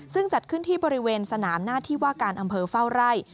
ซึ่งจัดขึ้นที่บริเวณสนามหน้าที่ว่าการอำเภอเฝ้าไร่